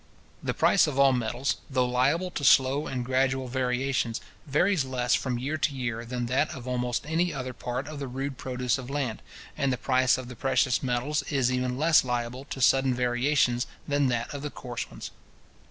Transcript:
The price of all metals, though liable to slow and gradual variations, varies less from year to year than that of almost any other part of the rude produce of land: and the price of the precious metals is even less liable to sudden variations than that of the coarse ones.